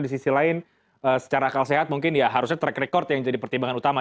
di sisi lain secara akal sehat mungkin ya harusnya track record yang jadi pertimbangan utama